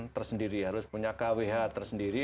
tersendiri harus punya kwh tersendiri